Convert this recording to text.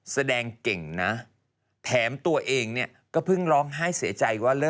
จริงแต่แย่กกันอยู่